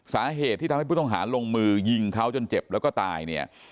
สาเหตุที่ทำให้ผู้ต้องหาลงมือยิงเขาจนเจ็บแล้วก็ตายเนี่ย